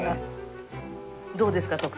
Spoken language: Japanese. どうですか？